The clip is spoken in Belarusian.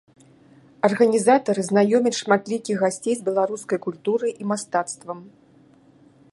Арганізатары знаёмяць шматлікіх гасцей з беларускай культурай і мастацтвам.